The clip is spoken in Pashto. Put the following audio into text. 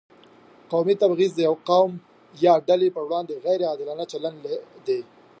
قومي تبعیض د یو قوم یا ډلې پر وړاندې غیر عادلانه چلند دی.